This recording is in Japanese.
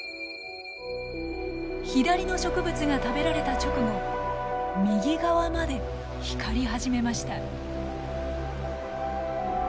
左の植物が食べられた直後右側まで光り始めました。